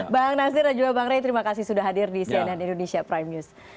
bang nasir dan juga bang ray terima kasih sudah hadir di cnn indonesia prime news